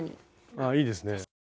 あっいいですね。